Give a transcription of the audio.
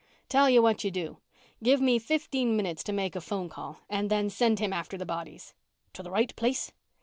Tell you what you do give me fifteen minutes to make a phone call and then send him after the bodies." "To the right place?"